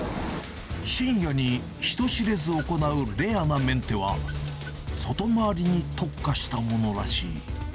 深夜に人知れず行うレアなメンテは、外回りに特化したものらしい。